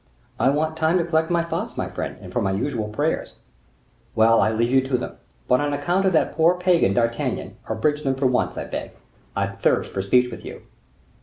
"I want time to collect my thoughts, my friend, and for my usual prayers." "Well, I leave you to them; but on account of that poor pagan, D'Artagnan, abridge them for once, I beg; I thirst for speech with you."